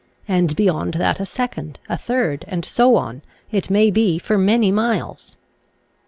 and beyond that a second, a third, and so on, it may be, for many miles.